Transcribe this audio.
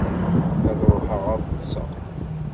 Ad ruḥeɣ ad ṭṭseɣ.